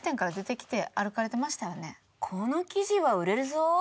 この記事は売れるぞぉ？